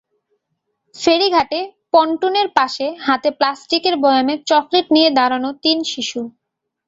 ফেরিঘাটে পন্টুনের পাশে হাতে প্লাস্টিকের বয়ামে চকলেট নিয়ে দাঁড়ানো তিন শিশু।